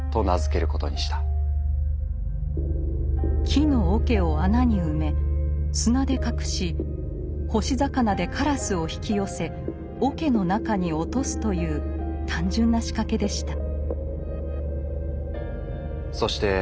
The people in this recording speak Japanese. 木の桶を穴に埋め砂で隠し干し魚で鴉を引き寄せ桶の中に落とすという単純な仕掛けでした。